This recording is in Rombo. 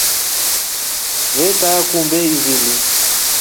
Vee kaama kumbe ivili.